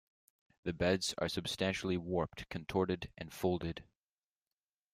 The beds are substantially warped, contorted and folded.